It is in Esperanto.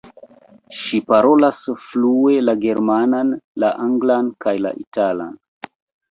Ŝi parolas flue la germanan, la anglan kaj la italan.